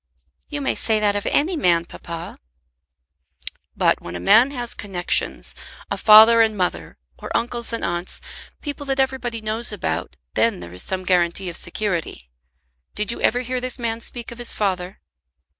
"You may say that of any man, papa." "But when a man has connexions, a father and mother, or uncles and aunts, people that everybody knows about, then there is some guarantee of security. Did you ever hear this man speak of his father?"